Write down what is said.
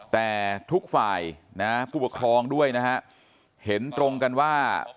แต่ทุกฝ่ายนะผู้ปกครองด้วยนะฮะเห็นตรงกันว่า